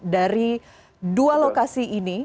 dari dua lokasi ini